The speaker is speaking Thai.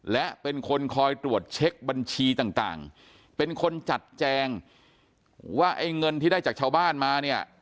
และเป็นคนคอยตรวจเช็คบัญชีต่างเป็นคนจัดแจงว่าไอ้เงินที่ได้จากชาวบ้านมาเนี่ย